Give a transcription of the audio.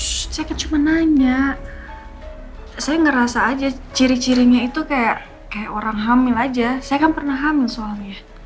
saya cuma nanya saya ngerasa aja ciri cirinya itu kayak orang hamil aja saya kan pernah hamil soalnya